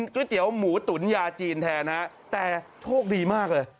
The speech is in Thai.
ก๋วยเตี๋ยวหมูตุ๋นยาจีนแทนฮะแต่โชคดีมากเลย